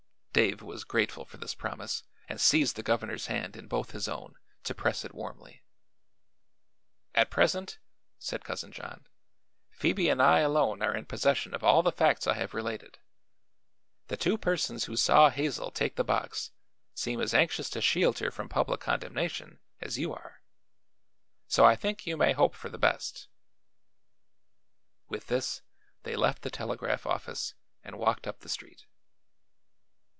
Dave was grateful for this promise and seized the governor's hand in both his own to press it warmly. "At present," said Cousin John, "Phoebe and I alone are in possession of all the facts I have related. The two persons who saw Hazel take the box seem as anxious to shield her from public condemnation as you are. So I think you may hope for the best." With this they left the telegraph office and walked up the street.